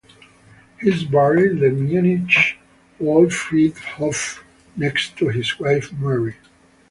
He is buried in the Munich Waldfriedhof next to his wife Mary.